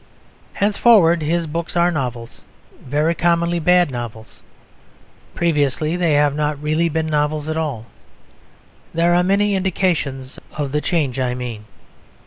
Henceforward his books are novels, very commonly bad novels. Previously they have not really been novels at all. There are many indications of the change I mean.